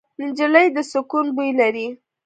نجلۍ د سکون بوی لري.